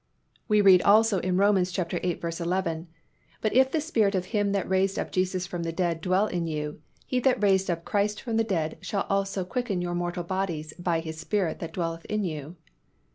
We read also in Rom. viii. 11, "But if the Spirit of Him that raised up Jesus from the dead dwell in you, He that raised up Christ from the dead shall also quicken your mortal bodies by His Spirit that dwelleth in you."